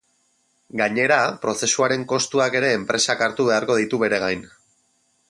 Gainera, prozesuaren kostuak ere enpresak hartu beharko ditu bere gain.